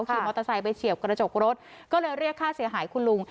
ขี่มอเตอร์ไซค์ไปเฉียวกระจกรถก็เลยเรียกค่าเสียหายคุณลุง